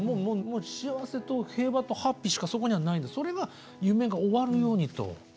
もう幸せと平和とハッピーしかそこにはないんでそれが夢が終わるようにと。